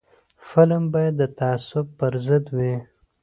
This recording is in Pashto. فلم باید د تعصب پر ضد وي